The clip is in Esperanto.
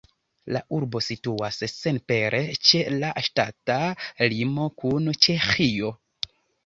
La urbo situas senpere ĉe la ŝtata limo kun Ĉeĥio.